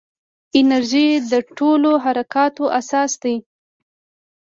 انرژي د ټولو حرکاتو اساس دی.